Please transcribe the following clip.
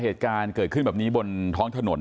เหตุการณ์เกิดขึ้นแบบนี้บนท้องถนน